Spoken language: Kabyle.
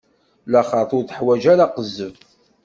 Laxert ur teḥwaǧ ara aqezzeb.